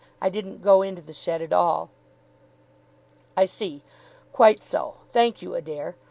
I didn't go into the shed at all." "I see. Quite so. Thank you, Adair.